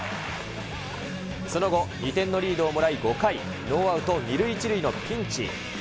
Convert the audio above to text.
その後、２点のリードをもらい、５回、ノーアウト２塁１塁のピンチ。